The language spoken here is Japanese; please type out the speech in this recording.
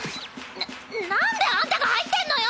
ななんであんたが入ってんのよ！